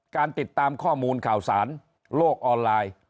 การติดตามข้อมูลข่าวสารโลกออนไลน์